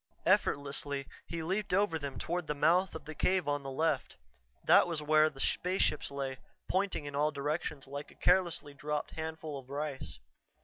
Effortlessly he leaped over them toward the mouth of the cave on the left. That was where the spaceships lay, pointing in all directions like a carelessly dropped handful of rice.